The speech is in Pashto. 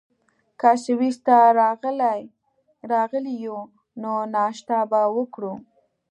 که سویس ته راغلي یو، نو ناشته به وکړو.